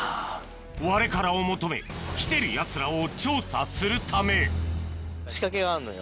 ワレカラを求め来てるやつらを調査するため仕掛けがあんのよ。